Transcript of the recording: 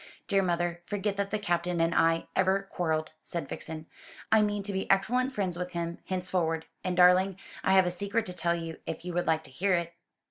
"Dear mother, forget that the Captain and I ever quarrelled," said Vixen. "I mean to be excellent friends with him henceforward. And, darling, I have a secret to tell you if you would like to hear it."